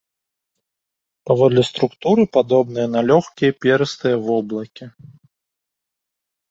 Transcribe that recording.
Паводле структуры падобныя на лёгкія перыстыя воблакі.